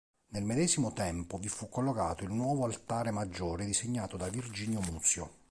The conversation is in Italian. Nel medesimo tempo vi fu collocato il nuovo altare maggiore disegnato da Virginio Muzio.